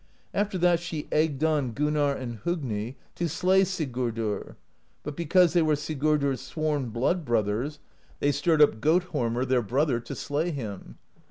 " After that she egged on Gunnarr and Hogni to slay Sig urdr; but because they were Sigurdr's sworn blood brothers, they stirred up Gotthormr their brother to slay him.